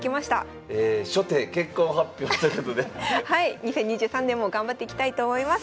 ２０２３年も頑張っていきたいと思います。